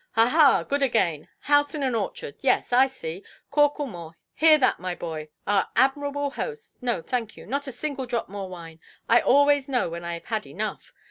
"Ha, ha, good again! House in an orchard! yes, I see. Corklemore, hear that, my boy? Our admirable host—no, thank you, not a single drop more wine—I always know when I have had enough.